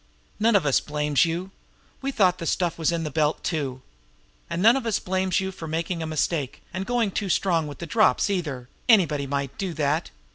None of us blames you. We thought the stuff was in the belt, too. And none of us blames you for making a mistake and going too strong with the drops, either; anybody might do that.